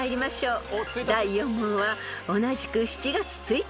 ［第４問は同じく７月１日から出題］